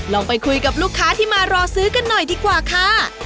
ไปคุยกับลูกค้าที่มารอซื้อกันหน่อยดีกว่าค่ะ